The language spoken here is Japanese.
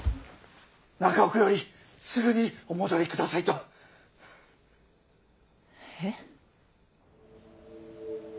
中奥よりすぐにお戻り下さいと！え？